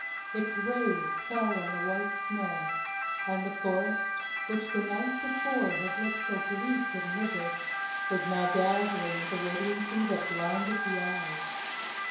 Its rays fell on the white snow, and the forest, which the night before had looked so bleak and livid, was now dazzling with a radiancy that blinded the eyes.